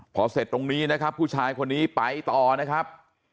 พอเสร็จตรงนี้นะครับผู้ชายคนนี้ไปต่อนะครับ